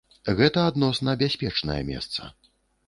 Гэта адносна бяспечнае месца.